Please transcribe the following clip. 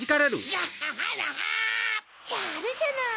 やるじゃない！